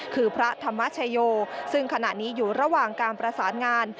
คือพระธรรมชโยซึ่งขณะนี้อยู่ระหว่างการประสานงาน